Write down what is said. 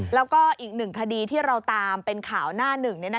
แล้วก็อีกหนึ่งคดีที่เราตามเป็นข่าวหน้าหนึ่ง